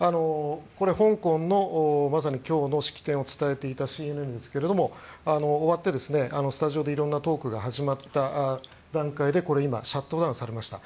香港の今日の式典を伝えていたＣＮＮですが終わって、スタジオでいろんなトークが始まった段階でこれ今シャットダウンされました。